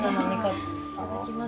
いただきます。